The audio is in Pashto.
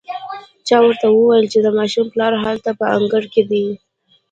چا ورته وويل چې د ماشوم پلار هلته په انګړ کې دی.